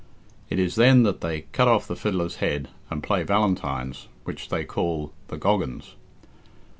It is then that they "cut off the fiddler's head," and play valentines, which they call the "Goggans."